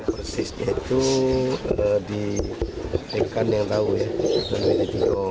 persisnya itu di rekan yang tahu ya